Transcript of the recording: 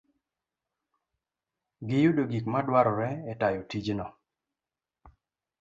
giyudi gik madwarore e tayo tijno.